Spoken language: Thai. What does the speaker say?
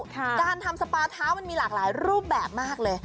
การทำสปาเท้ามันมีหลากหลายรูปแบบมากเลย